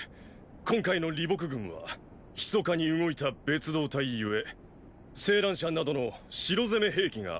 今回の李牧軍はひそかに動いた別働隊故井闌車などの城攻め兵器がありませぬ。